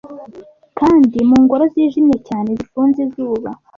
kandi mu ngoro zijimye cyane zifunze izuba